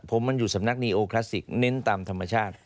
ผมมันอยู่สำนักนีโอคลาสสิกเน้นตามธรรมชาติ